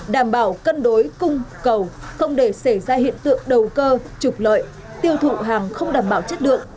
đảm bảo cân đối cung cầu không để xảy ra hiện tượng đầu cơ trục lợi tiêu thụ hàng không đảm bảo chất lượng